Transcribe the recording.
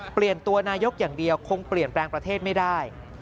เปลี่ยนตัวนายกอย่างเดียวคงเปลี่ยนแปลงประเทศไม่ได้